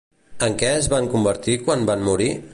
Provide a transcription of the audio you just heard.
En què es van convertir quan van morir?